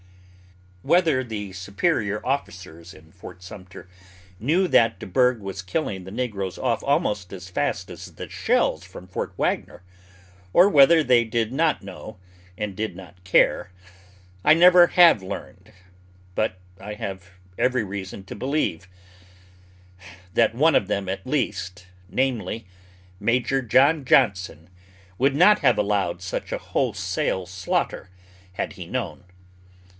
Whether the superior officers in Fort Sumter knew that Deburgh was killing the negroes off almost as fast as the shells from Fort Wagner, or whether they did not know, and did not care, I never have learned. But I have every reason to believe that one of them at least, namely, Major John Johnson, would not have allowed such a wholesale slaughter, had he known.